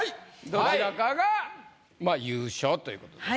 どちらかが優勝ということです。